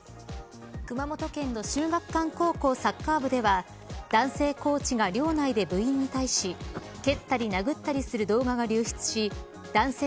熊本県の秀岳館高校サッカー部では男性コーチが寮内で部員に対し蹴ったり殴ったりする動画が流出し男性